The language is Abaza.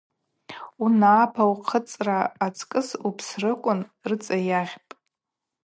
Унапа ухъыцӏра ацкӏыс упсрыквын рыцӏа йагъьпӏ.